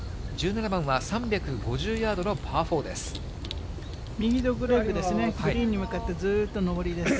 １７番は３５０ヤードのパー４です。